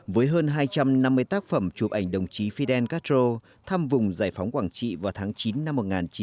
với hơn hai trăm năm mươi tác phẩm chụp ảnh đồng chí fidel castro thăm vùng giải phóng quảng trị vào tháng chín năm một nghìn chín trăm bảy mươi